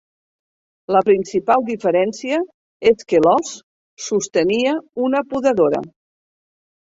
La principal diferència és que l'os sostenia una podadora.